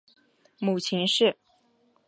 母秦氏。